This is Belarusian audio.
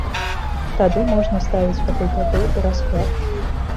Тады можна ставіць факультатыў у расклад.